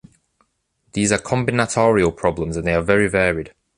These are combinatorial problems and they are very varied.